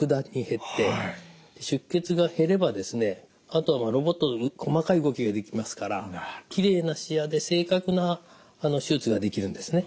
あとはロボット細かい動きができますからきれいな視野で正確な手術ができるんですね。